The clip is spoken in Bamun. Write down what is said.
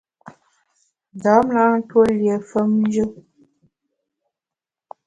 Ndam na ntuó lié femnjù.